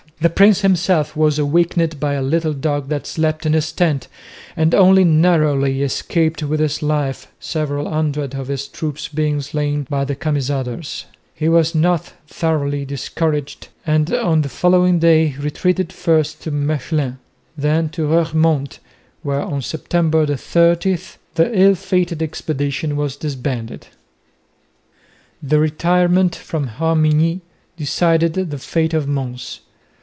The prince himself was awakened by a little dog that slept in his tent and only narrowly escaped with his life, several hundred of his troops being slain by the Camisaders. He was now thoroughly discouraged and on the following day retreated first to Mechlin, then to Roeremonde, where on September 30 the ill fated expedition was disbanded. The retirement from Harmignies decided the fate of Mons.